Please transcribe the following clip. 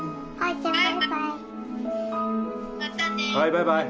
バイバイ」